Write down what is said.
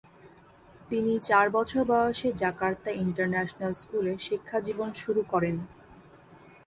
তিনি চার বছর বয়সে জাকার্তা ইন্টারন্যাশনাল স্কুলে শিক্ষাজীবন শুরু করেন।